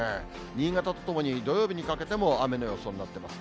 新潟とともに土曜日にかけても雨の予想になってます。